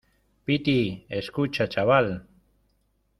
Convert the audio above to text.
piti, escucha , chaval.